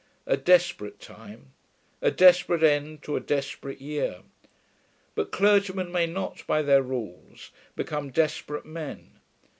A desperate time: a desperate end to a desperate year. But clergymen may not, by their rules, become desperate men.